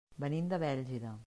Venim de Bèlgida.